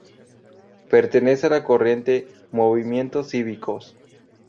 Pertenece a la corriente "Movimiento Cívicos.